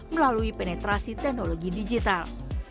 melalui penetrasi teknologi digital